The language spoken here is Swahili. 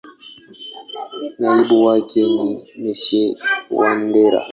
Naibu wake ni Mr.Wandera.